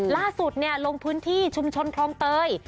ล่าสุดลงพื้นที่ชุมชนคลองเตย